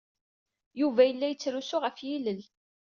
Yuba yella yettrusu ɣef yilel.